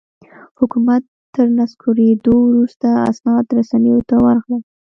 حکومت تر نسکورېدو وروسته اسناد رسنیو ته ورغلل.